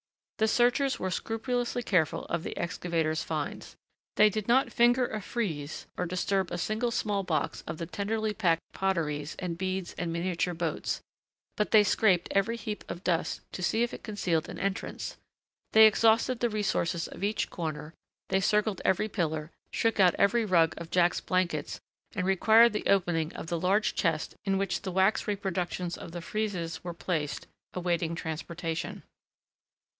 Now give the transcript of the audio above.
The searchers were scrupulously careful of the excavator's finds; they did not finger a frieze nor disturb a single small box of the tenderly packed potteries and beads and miniature boats, but they scraped every heap of dust to see if it concealed an entrance, they exhausted the resources of each corner, they circled every pillar, shook out every rug of Jack's blankets and required the opening of the large chest in which the wax reproductions of the friezes were placed, awaiting transportation.